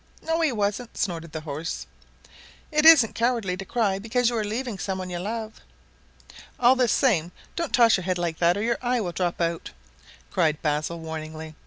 "No, he wasn't," snorted the horse. "It isn't cowardly to cry because you are leaving some one you love." "All the same, don't toss your head like that, or your eye will drop out again," cried Basil warningly.